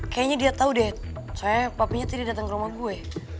kayaknya dia tau deh soalnya papinya tadi datang ke rumah gue